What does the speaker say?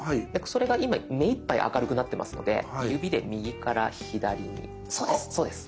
それが今目いっぱい明るくなってますので指で右から左にそうですそうです。